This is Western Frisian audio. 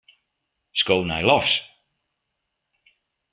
Sko nei lofts.